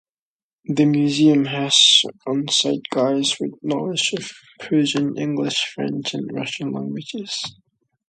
The museum has onsite guides with knowledge of Persian, English, French and Russian languages.